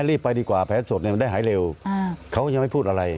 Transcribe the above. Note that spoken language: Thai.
รีบไปดีกว่าแผนสดเนี่ยมันได้หายเร็วเขายังไม่พูดอะไร